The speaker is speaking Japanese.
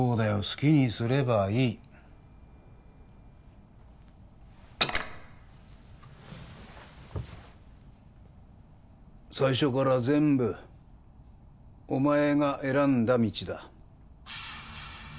好きにすればいい最初から全部お前が選んだ道だ